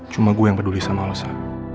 cuma gue yang peduli sama alasan